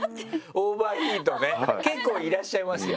オーバーヒートね結構いらっしゃいますよ